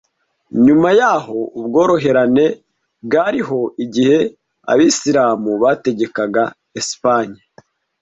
Nyuma yaho, ubworoherane bwariho igihe Abisilamu bategekaga Esipanye